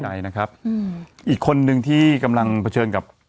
ใดนะครับอืมอีกคนนึงที่กำลังเผชิญกับ